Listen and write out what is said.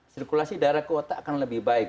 sirkulasi darah ke otak akan lebih baik